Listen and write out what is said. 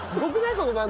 この番組。